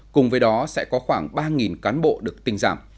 cùng với đó sẽ có khoảng ba cán bộ được tinh giảm